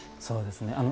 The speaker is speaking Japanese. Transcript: そうですね。